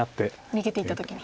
逃げていった時に。